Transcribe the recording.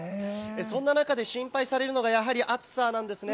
そんな中で心配されるのがやはり暑さなんですね。